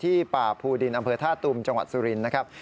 ป่าภูดินอำเภอท่าตุมจังหวัดสุรินทร์นะครับ